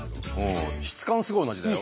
質感すごい同じだよ。